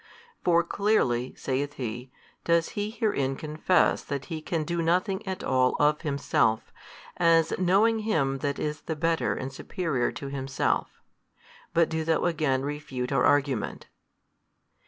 For clearly (saith he) does He herein confess that He can do nothing at all of Himself, as knowing Him that is the Better and superior to Himself. But do thou again refute our argument."